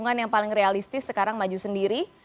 pasangan yang paling realistis sekarang maju sendiri